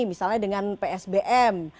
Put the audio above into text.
misalnya dengan psbm